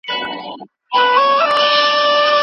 چي د سیمې د تمدنونو لویه لار پکښي تېريده، او